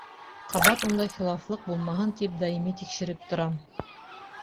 Ҡабат ундай хилафлыҡ булмаһын тип даими тикшереп торам.